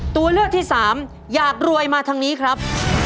ตัวเลือกที่สามอยากรวยมาทางนี้ครับ